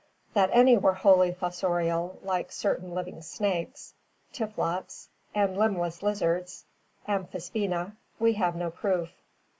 That any were wholly fossorial like certain living snakes {Typhlops) and limbless lizards (Amphisbcena) we have no proof.